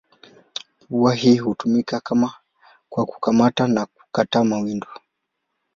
Pua hii hutumika kwa kukamata na kukata mawindo.